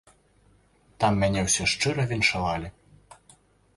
Там мяне ўсе шчыра віншавалі.